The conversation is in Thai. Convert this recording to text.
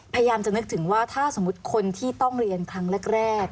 พยายามจะนึกถึงว่าถ้าสมมุติคนที่ต้องเรียนครั้งแรก